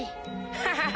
アハハハ！